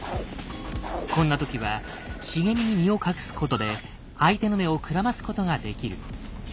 こんな時は茂みに身を隠すことで相手の目をくらますことができる。